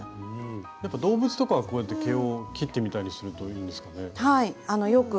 やっぱ動物とかはこうやって毛を切ってみたりするといいんですかね。